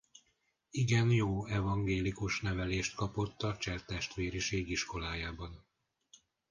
Igen jó evangélikus nevelést kapott a Cseh testvériség iskolájában.